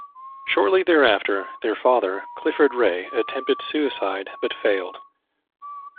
Shortly thereafter, their father, Clifford Ray, attempted suicide but failed.